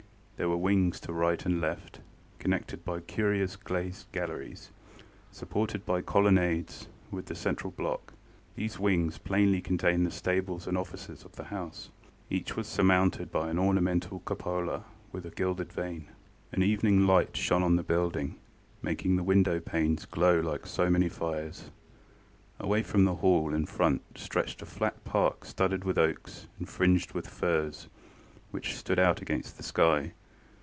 There were wings to right and left, connected by curious glazed galleries, supported by colonnades, with the central block. These wings plainly contained the stables and offices of the house. Each was surmounted by an ornamental cupola with a gilded vane. An evening light shone on the building, making the window panes glow like so many fires. Away from the Hall in front stretched a flat park studded with oaks and fringed with firs, which stood out against the sky.